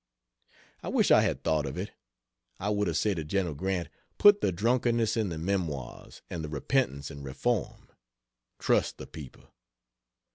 I wish I had thought of it! I would have said to General Grant: "Put the drunkenness in the Memoirs and the repentance and reform. Trust the people."